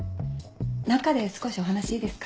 中で少しお話いいですか？